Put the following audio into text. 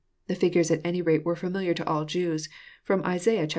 — The figures at any rate were familiar to all Jews, Arom Isaiah Iv.